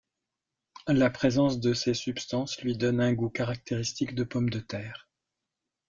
La présence de ces substances lui donne un goût caractéristique de pomme de terre.